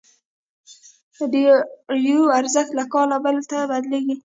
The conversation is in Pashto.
داراییو ارزښت له کال بل ته بدلېږي.